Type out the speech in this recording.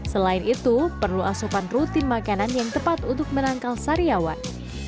selain itu perlu asupan rutin makanan yang tepat untuk menangkal sariawan